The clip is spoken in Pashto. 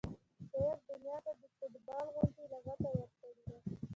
شاعر دنیا ته د فټبال غوندې لغته ورکړې ده